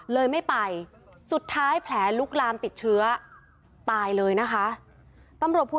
เลยไม่ไปสุดท้ายแผลลุกลามติดเชื้อตายเลยนะคะตำรวจภู